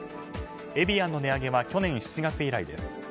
エビアンの値上げは去年７月以来です。